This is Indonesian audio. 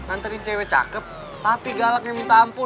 anterin cewek cakep tapi galaknya minta ampun